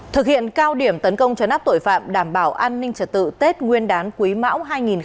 thực hiện cao điểm tấn công chấn áp tội phạm đảm bảo an ninh trật tự tết nguyên đán quý mão hai nghìn hai mươi bốn